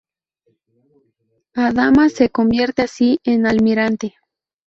Adama se convierte así en Almirante.